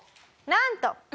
なんと。